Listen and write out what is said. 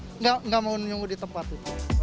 tidak mau nunggu di tempat itu